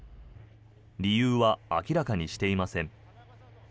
理由は明らかにしていません。